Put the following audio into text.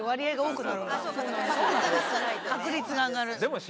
確率が上がる。